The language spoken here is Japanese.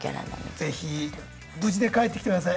是非無事で帰ってきてください。